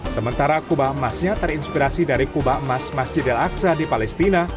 sementara kubah emasnya terinspirasi dari kubah emas masjid al aqsa di palestina